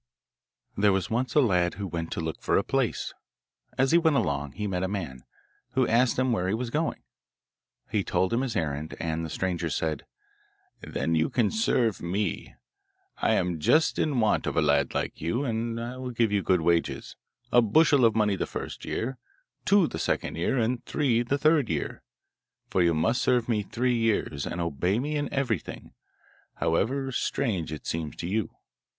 There was once a lad who went to look for a place. As he went along he met a man, who asked him where he was going. He told him his errand, and the stranger said, 'Then you can serve me; I am just in want of a lad like you, and I will give you good wages a bushel of money the first year, two the second year, and three the third year, for you must serve me three years, and obey me in everything, however strange it seems to you.